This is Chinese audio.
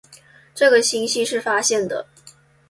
这个星系是发现的。